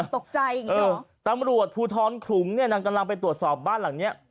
ตกใจอย่างเงี้หรอตำรวจภูทรขลุงเนี่ยนำกำลังไปตรวจสอบบ้านหลังเนี้ย